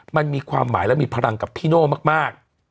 มันมีความหมายและมีพลังกับพี่โน่มาก